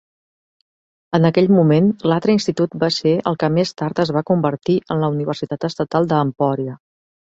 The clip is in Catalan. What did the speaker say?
En aquell moment, l'altre institut va ser el que més tard es va convertir en la Universitat Estatal de Emporia.